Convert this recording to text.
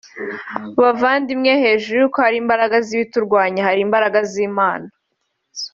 Bavandimwe hejuru y’imbaraga z’ibiturwanya hari imbaraga z’Imana